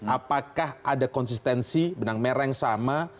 apakah ada konsistensi benang merah yang sama